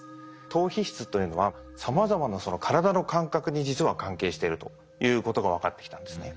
島皮質というのはさまざまな体の感覚に実は関係しているということが分かってきたんですね。